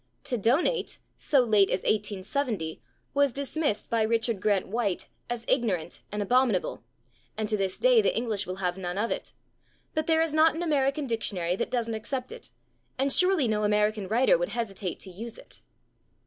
/To donate/, so late as 1870, was dismissed by Richard Grant White as ignorant and [Pg028] abominable and to this day the English will have none of it, but there is not an American dictionary that doesn't accept it, and surely no American writer would hesitate to use it.